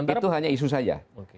itu hanya isu saja